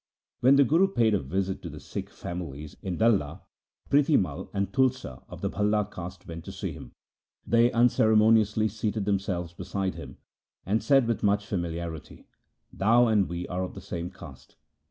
When the Guru paid a visit to the Sikh families in Dalla, Prithi Mai and Tulsa of the Bhalla caste went to see him. They unceremoniously seated themselves beside him, and said with much famili arity, ' Thou and we are of the same caste.'